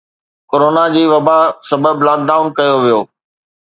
corona جي وبا سبب لاڪ ڊائون ڪيو ويو